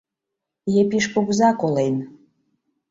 Епиш кугыза колен...